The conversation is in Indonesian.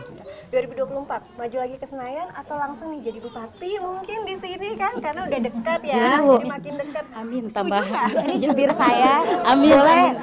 dua ribu dua puluh empat maju lagi ke senayan atau langsung nih jadi bupati mungkin di sini kan